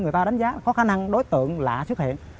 người ta đánh giá có khả năng đối tượng lạ xuất hiện